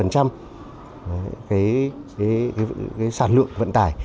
cái sản lượng vận tải